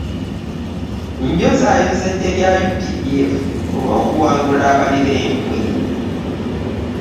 “Njozaayoza eggye lya UPDF olw'okuwangula abali b'enkwe"